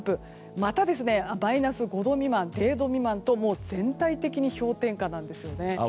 またマイナス５度未満０度未満と全体的に氷点下なんですね。